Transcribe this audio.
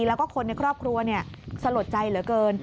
แล้วก็คนในครอบครัวสลดใจเหลือเกิน